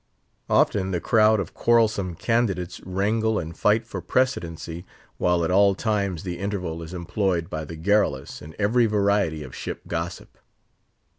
Often the crowd of quarrelsome candidates wrangle and fight for precedency, while at all times the interval is employed by the garrulous in every variety of ship gossip.